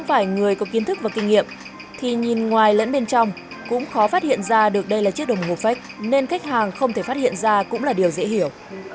phải người có kiến thức và kinh nghiệm thì nhìn ngoài lẫn bên trong cũng khó phát hiện ra được đây là chiếc đồng hồ phách nên khách hàng không thể phát hiện ra cũng là điều dễ hiểu